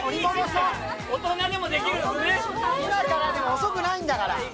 今からでも遅くないんだから。